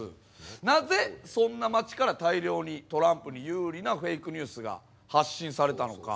なぜそんな街から大量にトランプに有利なフェイクニュースが発信されたのか？